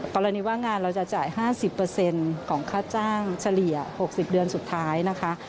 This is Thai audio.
กรณีว่างานเราจะจ่าย๕๐ของค่าจ้างเฉลี่ย๖๐เดือนสุดท้ายนะคะ